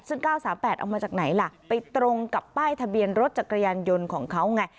ซึ่ง๙๓๘เอามาจากไหนล่ะไปตรงกับป้ายทะเบียนรถจักรยานยนต์ของเขาไง